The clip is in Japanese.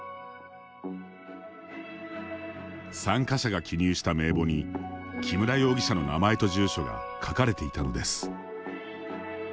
参加者が記入した名簿に木村容疑者の名前と住所が書かれていたのです。